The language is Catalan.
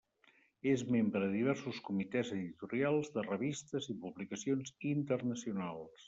És membre de diversos comitès editorials de revistes i publicacions internacionals.